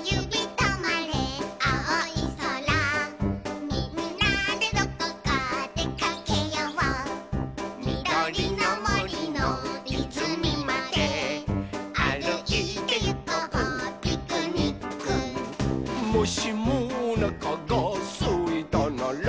とまれあおいそら」「みんなでどこかでかけよう」「みどりのもりのいずみまであるいてゆこうピクニック」「もしもおなかがすいたなら」